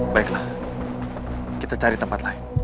baiklah kita cari tempat lain